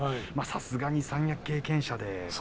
さすがに三役経験者ですね。